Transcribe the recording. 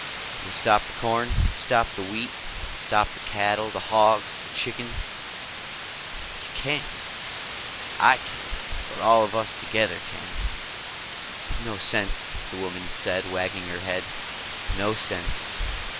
"We'll stop the corn. Stop the wheat. Stop the cattle, the hogs, the chickens." "You can't." "I can't. But all of us together can." "No sense," the woman said, wagging her head. "No sense."